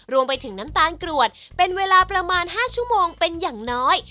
รวมไปถึงน้ำตาลกรวดเป็นเวลาประมาณ๕ชั่วโมงเป็นอย่างน้อย